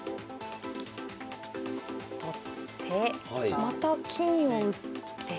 取ってまた金を打って。